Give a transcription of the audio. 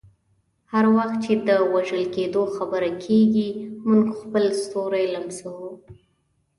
هر وخت چې د وژل کیدو خبره کیږي، موږ خپل ستوري لمسوو.